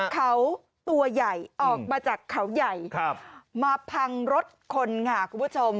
เขาตัวใหญ่ออกมาจากเขาใหญ่มาพังรถคนค่ะคุณผู้ชม